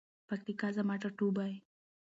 پکتیکا زما ټاټوبی.